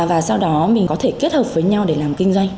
và sau đó mình có thể kết hợp với nhau để làm kinh doanh